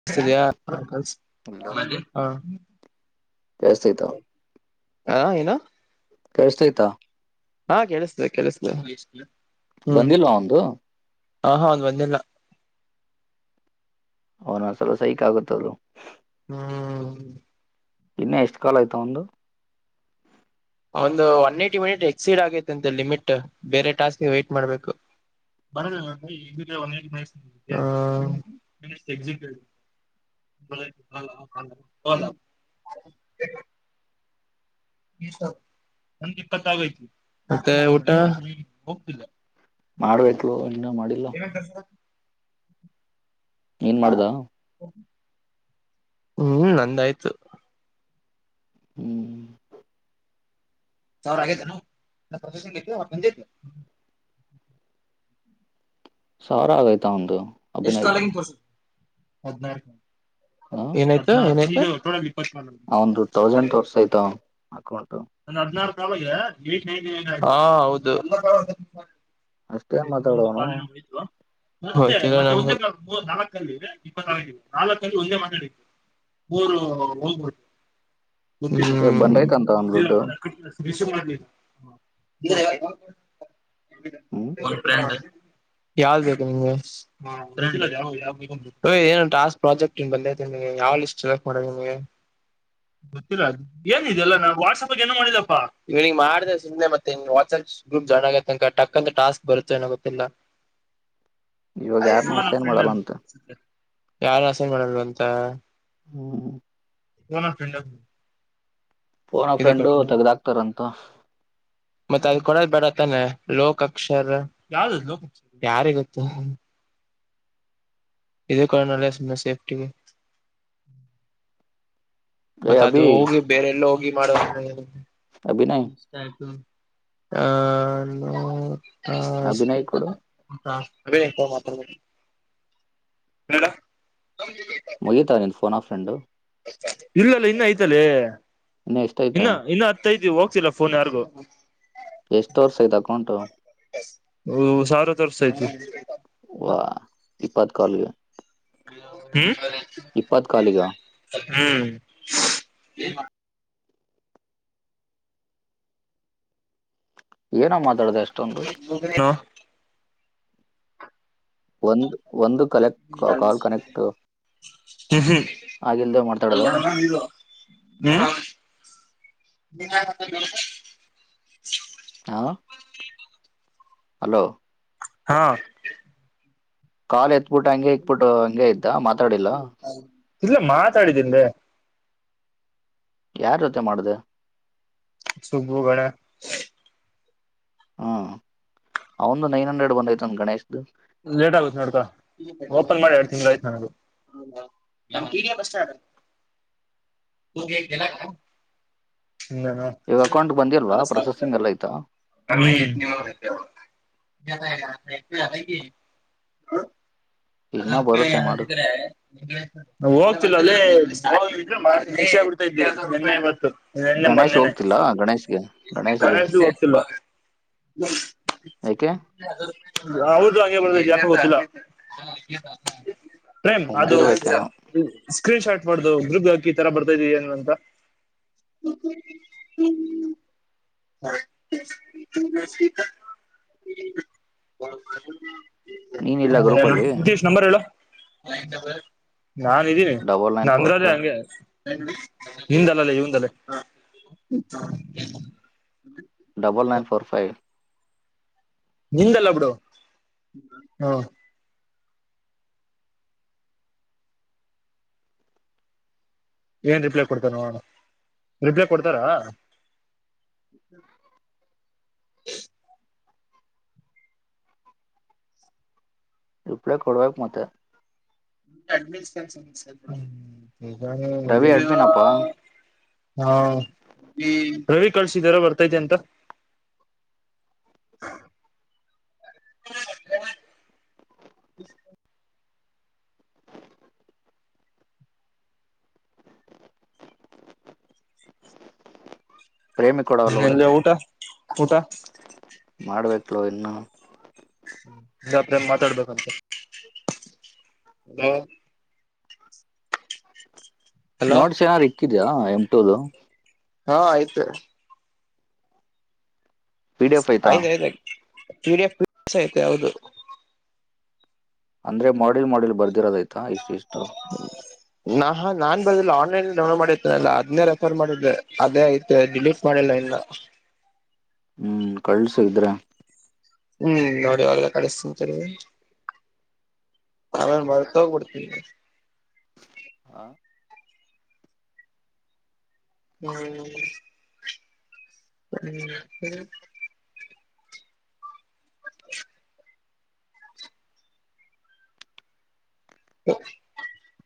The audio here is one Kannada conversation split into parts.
ಹ ಜಯಸ್್ರೀಿತ ಹಾ ಏನಾ ಕೇಳಸ್ತೈ್ತಾ ಹಾ ಕೆಲಸದೆ ಕೆಲ್ಸ ಬಂದಿಲ್ವಾ ಒಂದು ಹ ಹ ಒ್ ಒಂದಿಲ್ಲ ಅವನೊಂದ್ಸವಲಪ ಸೈಕ್ ಆಗುತ್ತಲು ಹ್ಮ ಇನ್ನ ಎಷ್ಟು ಕಾಲ ಆಯ್ತ ಒಂದು ಒಂದು ಒನ್ ಏಟಿ ಮಿನಿಟ್ ಎಕ್ಸೀಡ್ ಆಗೈತೆ ಅಂತೆ ಲಿಮಿಟ್ ಬೇರೆ ಟಾಸ್ಕ್ಗೆ ವೈ್ಟಟ್ ಮಾಡ್ಬೇಕು ಬರಗ ಒ ಮ ಎ [inaudible] [unintelligible] ಈ ನಂದಿಪ್ಪತ್ ಆಗೋತಿ ಮತ್ತೆ ಊಟ ಹೋಗ್ತಿಿಲ್ಲ ಮಾಡ್ಬೇಕಲು ಇನ್ನೂ ಮಾಡಿಲ್ಲ ಕಸ ಏನ್ ಮಾಡ್ದ ಹ್ಮ್ ನಂದಾಯ್ತು ಹ್ಮ್ ಸಾವಿರ ಆಗೈತೆ ಪ್ರೊಸೆಂಗ್ಂದೆ ಸಾವಿಾರ ಆಗೈ್ತಾ ಒಂದು ಎಷ್ಟ್ ಕಾಲಗ ತೋ ಹದಿನ ಏನಾಯ್ತು ಏ [unintelligible] ಆ ಒಂದು ತೌಸಂಡ್ ತೋರ್ಸ್ ಆಯ್ತ ಅಕೌಂಟ್ ನಂದ ಹದನಾರು ಸಾವರಿಗೆ ಹೌ [inaudible] ನ ಅಷ್ಟೇನ್ ಇದು ಒಂದು ಮಾತಾಡೋನು ಕ್ಯಿನಾಯ್ ನಾಲ್ಕ ಅಲ್ಲಿ ಇದೆ ಇಪ್ಪತ್ ನಾಲ್ಕ ಅಲ್ಲಿ ಒಂದೇ ಮಾತಾಡವಿ ಮೂರು ಹೋಗ್ಬದು ಷ ಇವಾಗ ಬಂದೈತಂತ ಅವನ್ ದುಡ್ಡು ಹ್ಮ್ ಯಾವ್ದ ಬೇಕು ನಿಮಗೆ ್ ಏನುಂಟ ಟಾಸ್ಕ್ ಪ್ರಾಜೆಕ್ಟ್ನ್ ಬಂದೇ ಯಾವ್ ಲಿಸ್ಟ್ ಎಕ್ ಮಾಡ ನಿಮಗೆ ಗೊತ್ತಿಲ್ಲ ಅದು ಏನ್ಿದೆಲ್ಲ ನಾನ್ ವಾಟ್ಸಆಪ್ ಏೋ ಮಾಡಿದಪ್ಪಾ ಇವನಿಂಗ ಮಾಡ್ದ ಸುಮ್ನೆ ಮತ್ತೆ ವಾಟ್ಸಪ್ ಗ್ರೂಪ್ ಜನನ್ ಆಗತನಕ ಟಕ್ಕ ಅಂತ ಟಾಸ್ಕ್ ಬರುತ್ತೆಏನೋ ಗೊತ್ತಿಲ್ಲ ಇವಾಗ ಯಾರನ್ನ ಅಸೈನ್ ಮಾಡಲ್ಲ ಅಂತ ಯಾರಸ ಮಡ ಅಂತ ಹ್ಮ ಕಫಡ್ [inaudible] ಓನ ಫ್ರೆಂಡು ತಗದಾಕ್ತಾರಂತ ಮತ್ತತ್ ಅದ್ ಕೊಡದ್ ಬೇಡತ್ತಾನ ಲೋಕಾಕ್ಷರ ಯಾವ ಲೋಕಾಕ್ಷರ ಯಾರಿ ಗೊತ್ತ ಇದೇ ಕಾರಣಲ್ಲ ಸಮ್ಮ ಸೇಫ್ಟಿಗೆ ಏ ಮತ್ತತ್ ಅದು ಅಭಿ ಹೋಗಿ ಬೇರೆಲ್ಲ ಹೋಗಿ ಮಾಡುವ ಅಭ ನಾಯ ಹ ಹಾ ಅಭಿನಯ್ ಕೊಡು ಅದೇ [unintelligible] ಮಾತಾಡ್ಬೇಕು [unintelligible] ಮುಗಿತಾ ನಿಂದು ಫೋನ್ ಆ ಫ್ರೆಂಡು. ಇಲ್ಲಲ್ಲ ಇನ್ನ ಐತಲ್ಲೇ ಇನ್ನ ಇನ್ನ ಎಷ್ಟೈತೆ ಇನ್ನ ಹತ್ತೈತಿ ಹೋಗ್ತಿಲ್ಲ ಫೋನ್ ಯಾರಿಗು. ಎಷ್ಟು ತೋರ್ಸ್ತೖತ್ ಅಕೌಂಟು? ಸಾವಿರ ತೋರ್ಸಾಯ್ತೆ. ವಾ ಇಪ್ಪತ್ ಕಾಲ್ಗೆ. ಹ್ಮ ಇಪ್ಪತ್ ಕಾಲಿಗ? ಹ್ಮ್ ಏನೋ ಮಾತಾಡ್ದೆ ಅಷ್ಟ್? ಹ ಒಂದು ಒಂದು ಕಲೆಕ್ಟ್ ಕಾಲ್ ಕನೆಕ್ಟ್ ಹ್ಮ ಹ್ಮ್ ಆಗಿಲ್ದೆ ಮಾತಾಡದ ಮ [unintelligible] ಹ [unintelligible] ಹಾಂ ಹಲೋ ಹಾ ಕಾ ಎತ್ಬಿಟ್ಟು ಹಂಗೆ ಇಕ್ಬಿಟ್ಟು ಹಂಗೆ ಇದ್ದ ಮಾತಾಡಿಲ್ಲ? ಇಲ್ಲ ಮಾತಾಡಿನ್ರಿ. ಯಾರ್ ಜೊತೆ ಮಾಡ್ದೆ? ಸುಬ್ಬುಗಳ. ಹ್ಮ ಅವಂದು ನೈನ್ ಹಂಡ್ರೆಡ್ ಬಂದೈತಂದ ಗಣೇಶ್ದ್. ಲೇಟ್ ಆಗುತ್ತೆ ನೋಡ್ಕಾ ಓಪನ್ ಮಾಡಿ ಎರಡ್ ತಿಂಗಳಾಯ್ತು ನಂದು. ಹೌದ ನಮ್ ಕಿರಿಯ ಬಸ್ಸಾರು. [unintelligible] ಈಗ ಅಕೌಂಟ್ಗ್ ಬಂದಿಲ್ವ ಪ್ರೊಸೆಸಿಂಗ್ ಅಲ್ಲ ಆಯ್ತಾ? ಅ [unintelligible] ಅದನ ಇನ್ನ ದ ಕರೆ ಬರುತ್ತೆ ಮಾಡು [unintelligible] ಹೋಗ್ತಿಲ್ಲ ಅದೇ ಮಿಸ್ ಆಗ್ಬಿಡ್ತು ನೆನ್ನೆ ಇವತ್ತು. ನೆನ್ನೆ ಗಣೇಶ್ ಮೊನ್ನೆನ ಹೋಗ್ತಿಲ್ಲ ಗಣೇಶ್ಗೆ ಗಣೇಶ್ಗೆ ಕಾಲೇಜ್ಗೂ ಹೋಗ್ತಿಲ್ವಾ. ಯಾಕೆ? ಹೌದು ಹಂಗೆ ಬರ್ತೖತ್ ಯಾಕೊ ಗೊತ್ತಿಲ್ಲ. ಪ್ರೇಮ್ ಅದು ಮುಗ್ದಿರ್ಬೇಕೇನೋ ಸ್ಕ್ರೀನ್ ಶಾಟ್ ಪಡ್ದು ಗೂಗಲ್ ಹಾಕಿ ಈತರ ಬರ್ತಾವಿ ಏನು ಅಂತ. ಹ್ಮ ಹ್ಮ ಹ್ಮ್ ಹ್ಮ್್ಮ [unintelligible] ನೀನ್ ಇಲ್ಲ ಗ್ರೂಪ್ ಅಲ್ಲಿ ತೀಶ್ ನಂಬರ್ ಹೇಳು? ನಾನ್ದೀನಿ ಡಬಲ್ ನೈನ್ ಫೋರ್ ನಂದ್ರದೇ ಫೈವ್ ಹಂಗೆ. ನಿಂದಲ್ಲ ಅಲ್ಲಲ್ಲೇ ಇವಂದದೆ. ಹ್ಮ ಡಬಲ್ ನೈನ್ ಫೋರ್ ಫೖವ್. ನಿಂದಲ್ಲ ಬಿಡು ಹಾ. ಏನ್ ರಿಪ್ಲೈ ಕೊಡ್ತಾರ್ ನೋಡಣ, ರಿಪ್ಲೈ ಕೊಡ್ತಾರಾ? ರಿಪ್ಲೈ ಕೊಡ್ಬೇಕ್ ಮತ್ತೆ. [unintelligible] ರವಿ ಅಡ್ಮಿನಪ್ಪಾ ಹಾ ಈ ರವಿ ಕಳ್ಸಿದಾರ ಬರ್ತೈತೆ ಅಂತ. ಪ್ರೇಮಿ ಕೊಡವಲ್ಲ ಹಿನಾ ನೋಡು ಇಲ್ಲೆ ಊಟ ಊಟ. ಮಾಡ್ಬೇಕಲೊ ಇನ್ನುೂ. [unintelligible] ಮಾತಾಡ್ಬೇಕಂತ ಹಲೋ ಹಲೋ ನೋಟ್ಸ್ ಏನಾದ್ರೂ ಇಕ್ಕಿದ್ಯಾ ಎಂ ಟೂದು. ಹಾ ಐತೆ. ಪಿ ಡಿ ಎಫ್ ಐತಾ ಆಯಿತೈತೇ ಪಿಡಿಏಫ್ [unintelligible] ಐತೆ ಹೌದು. ಅಂದ್ರೆ ಮಾಡಿಲ್ ಮಾಡಿಲ್ ಬರದಿರೋದು ಐತ್. [unintelligible] ನಾ ಹಾ ನಾನ್ ಬರದಿಲ್ಲ ಆನ್ಲೈನ್ ಡೌನ್ಲೋಡ್ ಮಾಡತೇನಲ್ಲ ಅದ್ನೆ ರೆಫರ್ ಮಾಡಿದ್ದೆ ಅದೇ ಐತೆ ಡಿಲೀಟ್. ಮಾಡಿಲ್ಲ ಇನ್ನ. ಹ್ಮ್ ಕಳ್ಸ ಇದ್ರೆ. ಹ್ಮ್ ನೋಡ ಇವಾಗ ಕಳಸ್ತೀನಿ ಸರಿ. ಆಮೇಲ್ ಮರ್ತ್ಹೋಗ್ಬಿಡ್ತೀನಿ. ಹಾ ಹ್ಮ್ ಹ್ಮ್ [unintelligible] [inaudible]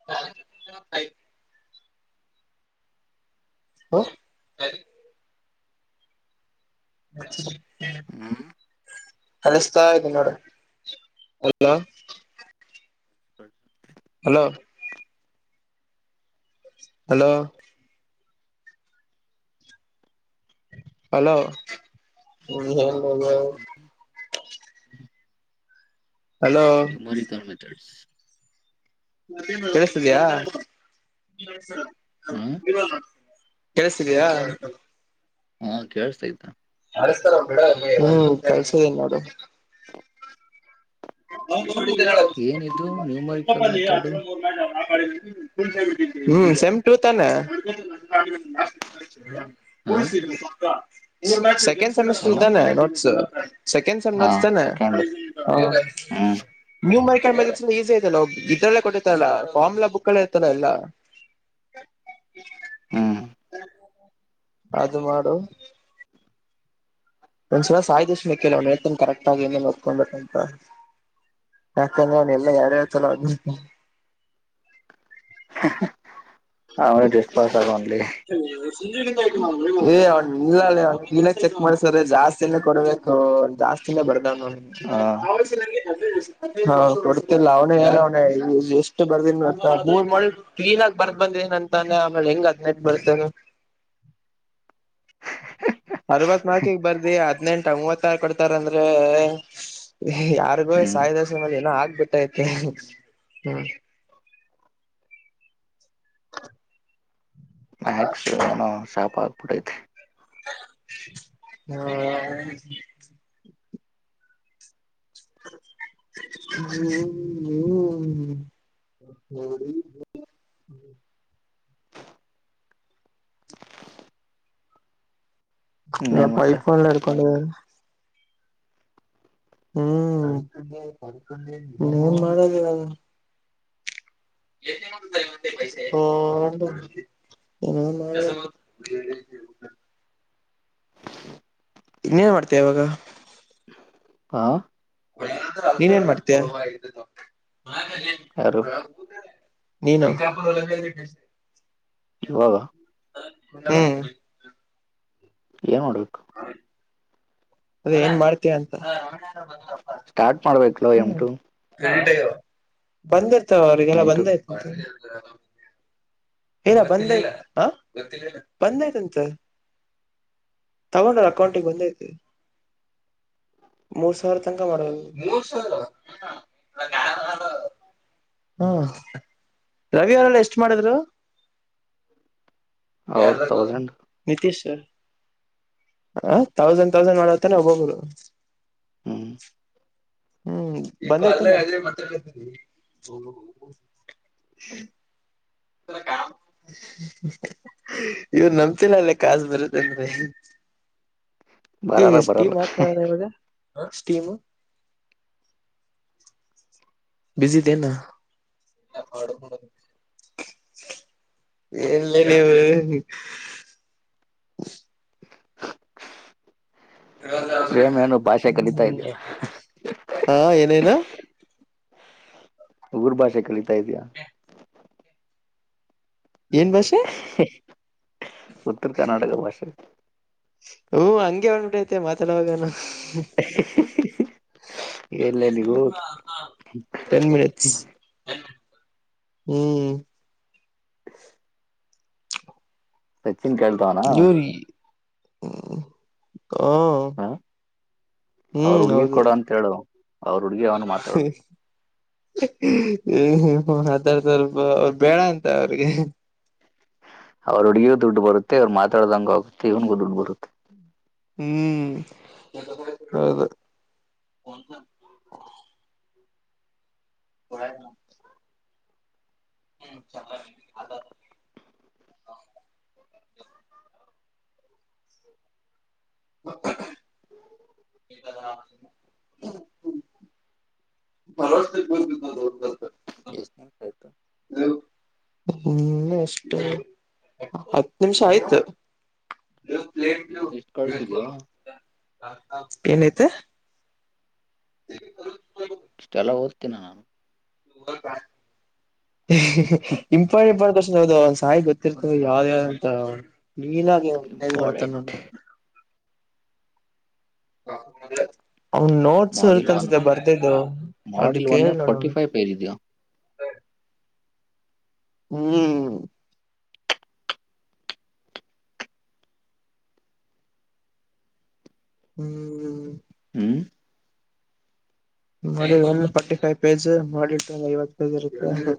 [unintelligible] ಹಾ ಕಳಸ್ತ ಇದಿನ್ ನೋಡು [unintelligible] ಹಲೋ ಹಲೋ ಹಲೋ ಹ್ಮ್ ಹೇಳ್ [unintelligible] ಹಲೋ ಈಗ್ ಮರಿತನ [unintelligible] ಕೆಳಸ್ತಿದೆಯಾ ಹಾ [unintelligible] ಕೆಳಸ್ತಿದೆಯಾ. ಹಾಂ ಕೆಳಸ್ತೈತಾ. ಹ್ಮ್ ಕಳಸಿದಿನ್ ನೋಡು. ಏನಿದು ನ್ಯೂಮರಿಕಲ್ ಮೆಥಡ್ [unintelligible] ಹ್ಮ್ ಸೇಮ್ ಟು ತಾನೆ. ಹಾ ಸೆಕೆಂಡ್ ಸೆಮಿಸ್ಟರ್ ಏನು ತಾನೆ ನೊಟ್ಸು. ಸೆಕೆಂಡ್ ಸೇಮ್ ಹಾ ನೋಟ್ಸ್ ಎನ್ ಹ್ ಸೆಕೆಂಡ್ [unintelligible] ಹ್ಮ್ ನ್ಯೂ ಮೈಕಲ್ ಮೇಜಿಕ್ಸು [unintelligible] ಈಜಿ ಐತಲ್ಲೊ ಇದ್ರಲ್ಲೆ ಕೊಟ್ಟಿರತರಲ್ಲ ಫಮ್ಲಾ ಬುಕ್ಕಲ್ಲಿ ಐತಲ ಎಲ್ಲಾ. [inaudible] ಅದು ಮಾಡು. ಒಂದ್ಸಲ ಸಾಯಿ ಜೆಸ್ಮಿಕ್ ಕೇಳ್ ಅವನ್ ಹೇಳ್ತಾನ ಕರೆಕ್ಟಾಗಿ ಏನೇನ್ ನೋಡ್ಕೊಂಡ್ ಬಿಡ್ತಾನ್ ಹ [unintelligible] ಯಾಕಂದ್ರೆ ಅವನ್ ಎಲ್ಲ ಎರಡ್ ಎರಡ್ ಸಲ ಓದಿರ್ತಾನ. ಅವ್ನು ಜಸ್ಟ್ ಪಾಸ್ ಆಗೋನ್ಲೆ. [unintelligible] ಏ ಅವ್ನ [unintelligible] ಹಿನಾ ಚೆಕ್ ಮಾಡ್ಸರೆ ಜಾಸ್ತಿನೆ ಕೊಡ್ಬೇಕ್. ತೋ ಜಾಸ್ತಿನೆ ಬರ್ದಾನ ಅವ್ನ ಹಾ [unintelligible] [inaudible] ಹಾ ಕೊಡ್ತಿಲ್ಲ ಅವನೇ ಹೇಳೋನೆ ಇದು ಎಷ್ಟು ಬರದಿನ ನಾ ಮೂರ್ ಮಾಡ ಕ್ಲೀನ್ ಆಗ ಬರ್ [unintelligible] ಬಂದ ಏನ ಅಂದ್ರೆ ಆಮೇಲೆ ಹೆಂಗ್ದ್ನೈ ಬರ್ತೇನು ಅರವತ್ ನಾಲ್ಕಗ್ ಬರ್ದಿ ಹದ್ನೆಂಟ ಮೂವತ್ತಾರ ಕೊಡ್ತಾರಂದ್ರೆ ಯಾರಿಗೂ ಹ್ಮ್ ಸಾಯ ದಸ ಏನೋ ಆಗ್ಬಿಟ್ಟೈತೆ ಹ್ಮ್ ಮ್ಯಾಕ್ಸ್ ಏನೋ ಶಾಪ್ ಆಗ್ಬಿಟ್ಟೈತಿ ಹ್ಮ ಹ್ಮ ಹ್ಮ ಇಲ್ಲಾ ಇನ್ನೇನ್ ಮತ್ತೆ ಪೈಪಲ್ಲಿ ಹೇಳ್ಕೊಳ್ಳಿ ಹ್ಮ್ ಇನ್ನೇನ್ ಮಾಡೋದು ಹೇಳೋಣ ಹ್ಮ್ [unintelligible] ಇನ್ನೇನ್ ಮಾಡ್ತೇ ಇವಾಗ ಹಾಂ ನೀನನ್ ಮಾಡ್ತೇಯ ಯಾರು ನೀನು ಯಾವಾಗ ಹ್ಮ್ ಏನ್ ಮಾಡ್ಬೇಕು ಹೌ ಅದೇ ಏನ್ ಮಾಡ್ತಯ ಅಂತ ಸ್ಟಾರ್ಟ್ ಮಾಡ್ಬೇಕಲ ಎಂಟು ಬಂದಿರ್ತವ ಅವ್ರಿಗೆಲ್ಲ ನೈಟು ಬಂದ ಇತ ಏನ ಬಂದ ಹ ಬಂದೈತಂತ ತಗೊಂಡ್ರ ಅಕೌಂಟಿಗೆ ಬಂದ ಮೂರು ಸಾವಿರ ತನಕ ಮಾಡರಾವ ಹ್ಮ ರವಿ ಅವರೆಲ್ಲ ಎಷ್ಟು ಮಾಡಿದ್ರು ಅವ್ರ ಯಾರದಾರ [unintelligible] ತೌಸಂಡ್ ನಿತೀಶ್ ಹ ತೌಸಂಡ್ ತೌಸಂಡ್ ಮಾಡೋತಾನ ಒಬ್ಬೊಬ್ರು ಹ್ಮ್ ಹ್ಮ್ ಬಿ [unintelligible] ಇವನ್ ನಮ್ತಿಲ್ಲ ಅಲ್ಲ ಕಾಸು ಬರುತ್ತನ್ರಿ ಬರಲ್ಲ ಬರಲ್ಲ ಸ್ಟೀಮ್ ಮಾತ್ಡದ ಇವಾಗ ಸ್ಟೀಮ್ ಬಿಜಿದೆನಾ ಎಲ್ಲ ನೀವು ಪ್ರೇಮ್ ಏನು ಭಾಷೆ ಕಲಿತಾ ಇದೆಯಾ ಹಾ ಏನೇನು ಉಗರು ಭಾಷೆ ಕಲಿತಾ ಇದೆಯಾ ಏನ್ ಭಾಷೆ ಉತ್ತರ ಕರ್ನಾಟಕ ಭಾಷೆ ಹ್ಮ್ ಹಂಗೆ ಬಂದ್ಬಿಟ್ಟೈತೆ ಮಾತಾಡುವಾಗಾನ ಎಲ್ಲೇ ನೀವು ಟೆನ್ ಮಿನಿಟ್ಸ್ ಹ್ಮ್ ಹ್ಮ್ ಸಚಿನ್ ಕಲ್ ನೀರಿ ಹ ಹ ಅವ್ರ ಹ್ಮ್ ಹುಡ್ಗಿ ಹೌದು ಕೊಡ ಅಂತ ಹೇಳು ಅವ್ರ ಹುಡ್ಗಿ ಅವ್ನು ಮಾತಾಡ್ಲಿ ಹ್ಮ ಹ್ಮ ಅದಾರ ಸ್ವಲ್ಪ ಅವ್ರು ಬೇಡ ಅಂತ ಅವ್ರಿಗೆ ಅವ್ರ ಹುಡ್ಗೂ ದುಡ್ಡು ಬರುತ್ತೆ ಅವ್ ಮಾತಾಡ್ದಂಗ ಆಗುತ್ತೆ ಇವ್ನು ದುಡ್ಡು ಬರುತ್ತೆ ಹ್ಮ್ ಹೌದು [unintelligible] ಹ್ಮ್ ಚಲ್ಲ [unintelligible] ಬರೋ [unintelligible] [unintelligible] ಹ್ಮ್ ಎಷ್ಟು ಹತ್ತು ನಿಮಿಷ ಆಯ್ತು ಈಗ ಎಷ್ಟ್ ಕಳ್ಸಿದ್ಯೋ [unintelligible] ಏನಾಯ್ತು [unintelligible] ಅಷ್ಟೆಲ್ಲ ಓದ್ತಿನ ಇಂಪಾ ಇಂಪಾ ಅಷ್ಟ್ ಸಾಯಿ ಗೊತ್ತಿರ್ತ ಯಾವ್ದ ಯಾವಂತ ನೀಲಾಗಿ ಮಾಡ್ತ ಇಂಪಾರ್ಟೆಂಟ್ ನಾನು ಅವನ್ ನೋಟ್ಸ್ ಮಾಡ್ಯೂಲ್ ಇರ್ತ ಒನ್ ಅನ್ಸುತ್ತೆ ಬರ್ದಿದ್ದು ಅದ ಕೇಳ್ ನೋಡ್ ಅವ್ನ್ ಪಿರೇದ್ಯಾ ಹ್ಮ್ ಹ್ಮ್ ಹ್ಮ್ ಮೊಡ್ಯೂಲ್ ಒಂದು forty five page module two ಐವತ್ತು ಪೇಜ್ ಇರುತ್ತೆ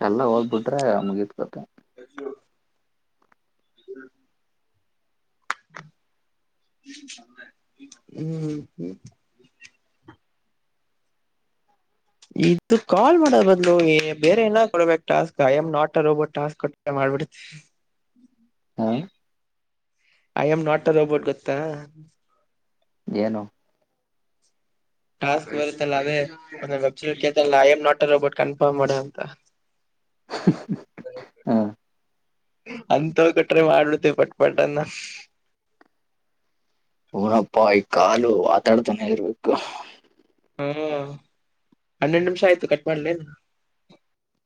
ಚೆನ್ನಾಗ್ ಓದ್ಬಿಟ್ರೆ ಮುಗಿತ್ ಕತೆ [unintelligible] [inaudible] ಹ್ಮ್ ಹ್ಮ್ ಇದು ಕಾಲ್ ಮಾಡೋ ಬದ್ಲು ಬೇರೆ ಏನ ಕೊಡಬೇಕು task I am not a robot task ಕೊ ಮಾಡ್ಬಿಡ್ ಹ [unintelligible] I am not a robot ಗೊತ್ತಾ [unintelligible] ಏನು [unintelligible] ಟಾಸ್ಕ್ ಬರುತ್ತಲ್ಲ ಅವೇ ವೆಬ್ಸೈಟ್ ಕೇಳ್ತಲ್ಲ ಐ ಆಮ್ ನಾಟ್ ಅಲ್ಲೋ ಬಟ್ ಕನ್ಫರ್ಮ್ ಮಾಡ ಅಂತ [unintelligible] [inaudible] ಅಂತವ್ ಕಟ್ರೆ ಮಾಡಲುತ್ತೇ ಬಟ್ನ್ನ [unintelligible] ಊನಪ್ಪ ಈ ಕಾಲು ಆತಾಡ್ತಾನೆ ಇರ್ಬೇಕು ಹಾ ಹನ್ನೆಡು ನಿಮಿಷ ಆಯ್ತು ಕಟ್ ಮಾಡ್ಲೇನ್